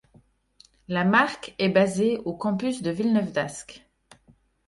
La marque est basée au campus de Villeneuve-d'Ascq.